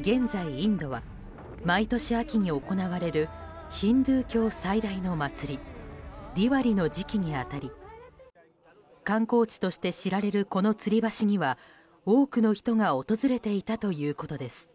現在インドは毎年秋に行われるヒンドゥー教最大の祭りディワリの時期に当たり観光地として知られるこのつり橋には多くの人が訪れていたということです。